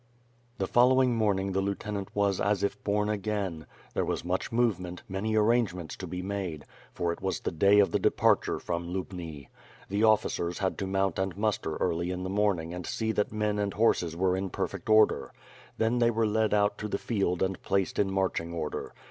Tlie following morning the lieutenant was as if born again; there was much movement, many arrangements to be made; for it was the day of the departure from Lubni. The officers had to mount and muster early in the moinrng and see that men and horses were in perfect order. Then they were led out into the field and placed in marching order.